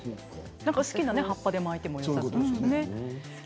好きな葉っぱで巻いてもよさそうですね。